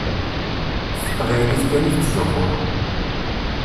S teqbaylit kan i tettzuxxuḍ.